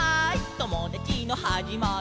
ともだちのはじまりは」